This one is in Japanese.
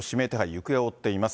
行方を追っています。